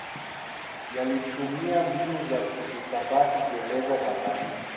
Yalitumia mbinu za kihisabati kueleza nadharia